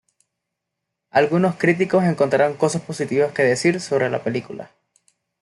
Algunos críticos encontraron cosas positivas que decir sobre la película.